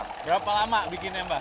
berapa lama bikinnya mbah